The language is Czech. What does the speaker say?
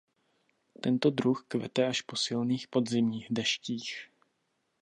Tento druh kvete až po silných podzimních deštích.